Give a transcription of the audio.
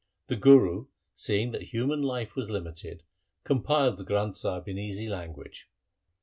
The Guru seeing that human life was limited, compiled the Granth Sahib in easy language.